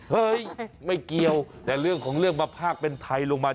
เฮ้ยไม่เกี่ยวแต่เรื่องของเรื่องมาภาคเป็นไทยลงมา